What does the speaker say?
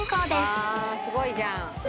「ああすごいじゃん」